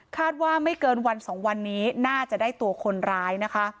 คาดว่าไม่เกินวัน๒วันนี้น่าจะได้ตัวคนร้าย